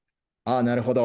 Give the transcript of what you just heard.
なるほど。